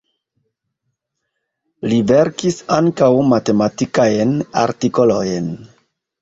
Li verkis ankaŭ matematikajn artikolojn.